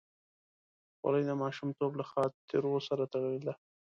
خولۍ د ماشومتوب له خاطرو سره تړلې ده.